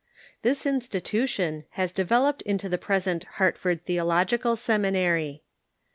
This insti tution has developed into the present Hartford Theological Seminary.